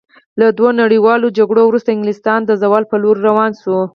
له دوو نړیوالو جګړو وروسته انګلستان د زوال په لور روان شو.